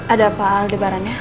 ada pak aldebaran ya